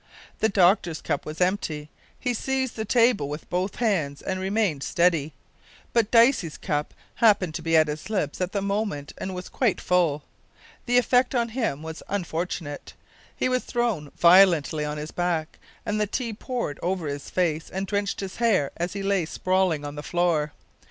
The doctor's cup was empty; he seized the table with both hands and remained steady; but Dicey's cup happened to be at his lips at the moment, and was quite full. The effect on him was unfortunate. He was thrown violently on his back, and the tea poured over his face and drenched his hair as he lay sprawling on the floor.